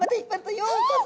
「ようこそ」！